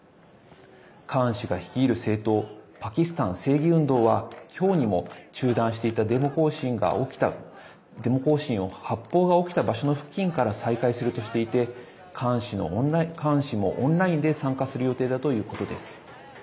カーン氏が率いる政党パキスタン正義運動は今日にも中断していたデモ行進を発砲が起きた場所の付近から再開するとしていてカーン氏もオンラインで参加する予定だということです。